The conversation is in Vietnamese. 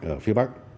ở phía bắc